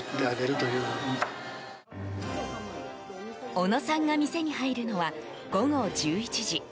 小野さんが店に入るのは午後１１時。